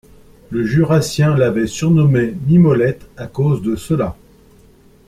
Le Jurassien l’avait surnommée Mimolette, à cause de cela,